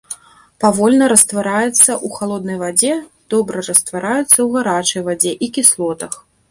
Павольна раствараецца ў халоднай вадзе, добра раствараецца ў гарачай вадзе і кіслотах.